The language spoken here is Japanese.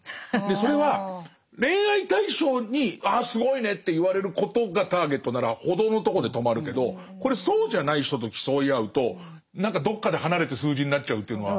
それは恋愛対象に「ああすごいね」って言われることがターゲットならほどほどのところで止まるけどこれそうじゃない人と競い合うと何かどっかで離れて数字になっちゃうっていうのは。